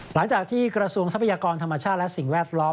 หลังจากที่กระทรวงทรัพยากรธรรมชาติและสิ่งแวดล้อม